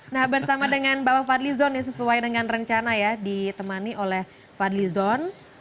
nah bersama dengan bapak fadlizon yang sesuai dengan rencana ya ditemani oleh fadlizon